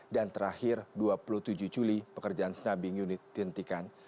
dan terakhir dua puluh tujuh juli pekerjaan snubbing unit dihentikan